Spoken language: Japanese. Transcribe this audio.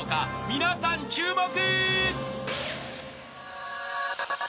［皆さん注目］